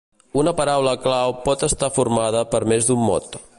Una paraula clau pot estar formada per més d'un mot.